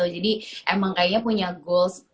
jadi emang kayaknya punya goals